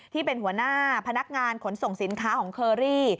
ที่เป็นหัวหน้าพนักงานขนส่งสินค้าของเคอรี่